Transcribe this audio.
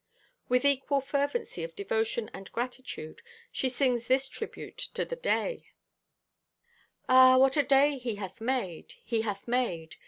With equal fervency of devotion and gratitude she sings this tribute to the day: Ah, what a day He hath made, He hath made!